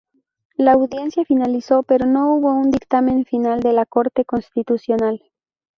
La audiencia finalizó, pero no hubo un dictamen final de la Corte Constitucional.